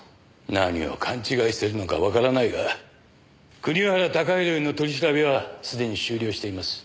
何を勘違いしているのかわからないが国原貴弘への取り調べは既に終了しています。